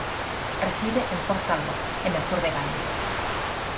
Reside en Port Talbot, en el sur de Gales.